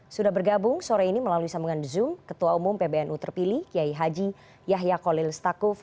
sudah bergabung sore ini melalui sambungan zoom ketua umum pbnu terpilih kiai haji yahya kolil stakuf